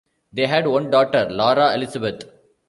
They had one daughter, Laura Elizabeth.